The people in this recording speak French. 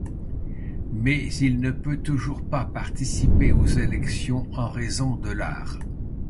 Mais il ne peut toujours pas participer aux élections en raison de l'art.